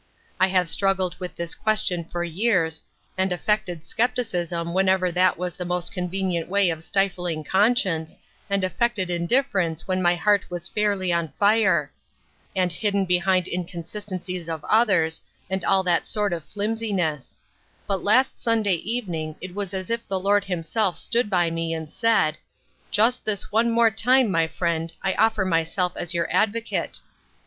" I have struggled with this question for years, and affected skepticism whenever that was the most convenient way of stifling conscience, and affected indifference when my heart was fairly on fire ; and hidden behind inconsistencies of others, and all that sort of flimsincss ; but last Sunday evening it was as if the Lord himself 338 AT HOME. stood by me and said, ' Just this one more time, my friend, I offer myself as your advocate.'